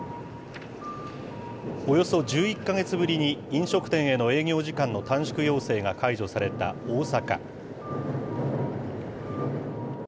およそ１１か月ぶりに飲食店への営業時間の短縮要請が解除された大阪。